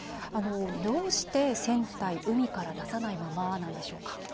どうして船体、海から出さないままなのでしょうか。